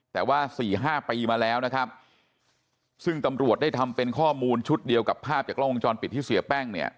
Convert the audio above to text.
แต่ว่าสี่ห้าปีมาแล้วนะครับซึ่งตำรวจได้ทำเป็นข้อมูลชุดเดียวกับภาพจากกล้องวงจรปิดที่เสียแป้งเนี่ย